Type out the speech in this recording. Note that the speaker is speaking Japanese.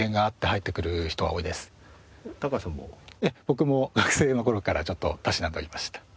僕も学生の頃からちょっとたしなんでおりました。